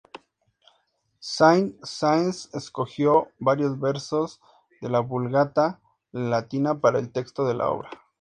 Saint-Saëns escogió varios versos de la Vulgata latina para el texto de la obra.